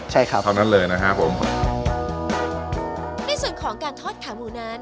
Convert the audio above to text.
ใช่ครับเท่านั้นเลยนะครับผมในส่วนของการทอดขาหมูนั้น